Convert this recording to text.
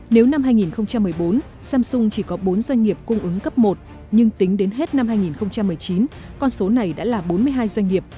nếu năm hai nghìn một mươi bốn samsung chỉ có bốn doanh nghiệp cung ứng cấp một nhưng tính đến hết năm hai nghìn một mươi chín con số này đã là bốn mươi hai doanh nghiệp